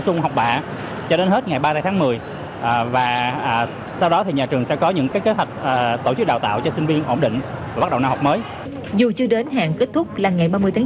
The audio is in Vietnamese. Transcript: dù chưa đến hạn kết thúc là ngày ba mươi tháng chín